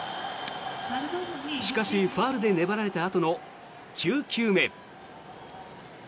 しかしファウルで粘られたあとの９球目。